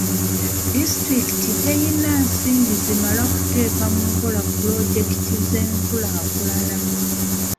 Disitulikiti teyina nsimbi zimala kuteeka mu nkola pulojekiti z'enkulaakulana.